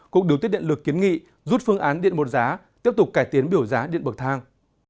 cũng đều tiết định lực kiến nghị rút phương án điện một giá tiếp tục cải tiến biểu giá điện bậc thang